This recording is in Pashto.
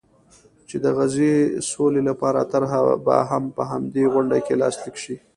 چې د غزې سولې لپاره طرحه به هم په همدې غونډه کې لاسلیک شي.